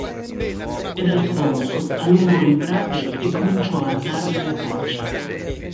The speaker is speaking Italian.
Ed Alfonso allungò il braccio e cominciò a darle la caccia.